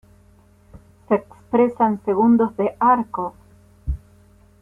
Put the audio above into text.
Se expresa en segundos de arco.